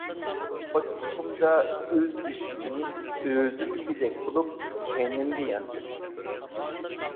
ئاچچىقىمدا ئۆز گۆشۈمنى ئۆزۈم يېگۈدەك بولۇپ، كەينىمگە ياندىم.